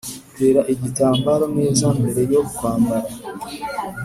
tera igitambaro neza mbere yo kwambara.